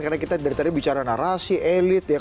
karena kita dari tadi bicara narasi elit